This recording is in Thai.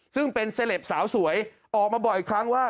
ซึ่งเป็นเซลปสาวสวยออกมาบอกอีกครั้งว่า